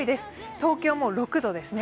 東京も６度ですね。